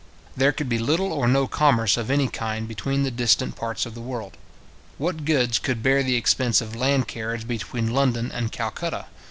There could be little or no commerce of any kind between the distant parts of the world. What goods could bear the expense of land carriage between London and Calcutta?